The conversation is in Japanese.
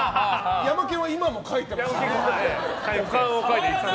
ヤマケンは今もかいてますね。